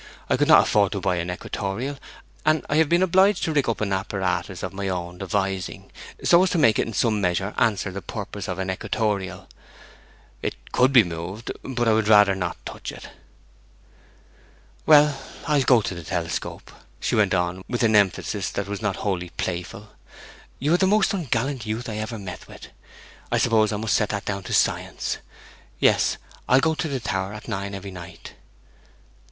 I could not afford to buy an equatorial, and I have been obliged to rig up an apparatus of my own devising, so as to make it in some measure answer the purpose of an equatorial. It could be moved, but I would rather not touch it.' 'Well, I'll go to the telescope,' she went on, with an emphasis that was not wholly playful. 'You are the most ungallant youth I ever met with; but I suppose I must set that down to science. Yes, I'll go to the tower at nine every night.'